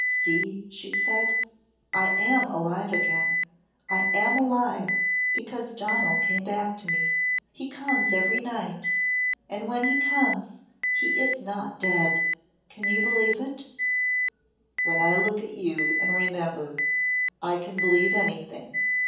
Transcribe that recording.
"See!" she said, "I am alive again. I am alive because Donal came back to me. He comes every night and when he comes he is not dead. Can you believe it?" "When I look at you and remember, I can believe anything.